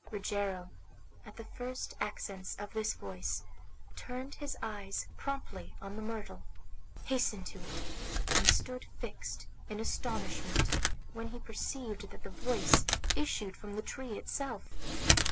Rogero, at the first accents of this voice, turned his eyes promptly on the myrtle, hastened to it, and stood fixed in astonishment when he perceived that the voice issued from the tree itself.